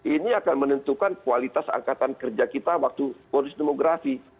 ini akan menentukan kualitas angkatan kerja kita waktu bonus demografi